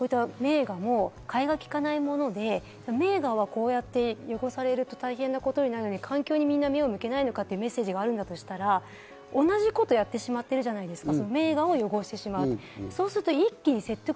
環境もこういった名画も代えがきかないもので、名画はこうやっている汚されると大変なことになるのに、環境にみんな目を向けないのかというメッセージがあるんだとしたら、同じことをやってしまってるじゃないですか。